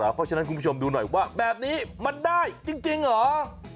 เพราะฉะนั้นคุณผู้ชมดูหน่อยว่าแบบนี้มันได้จริงเหรอ